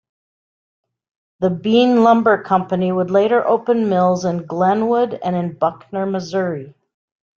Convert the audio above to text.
The Bean Lumber Company would later open mills in Glenwood and in Buckner, Missouri.